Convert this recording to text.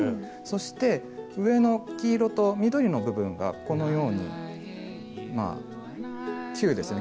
そして上の黄色と緑の部分がこのようにまあ球ですよね